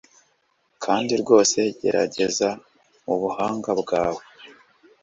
kandi rwose gerageza ubuhanga bwa we